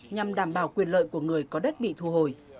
nhằm đảm bảo quyền lợi của người có đất bị thu hồi